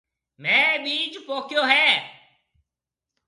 ميه ٻِيج پوکيو هيَ۔